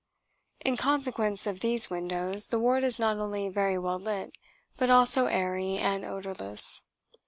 In consequence of these windows the ward is not only very well lit, but also airy and odourless.